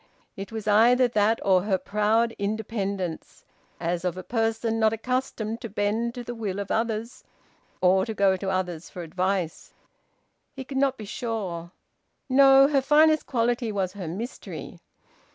It was either that or her proud independence, as of a person not accustomed to bend to the will of others or to go to others for advice. He could not be sure... No! Her finest quality was her mystery.